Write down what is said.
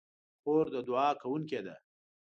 خور د دعا کوونکې ده.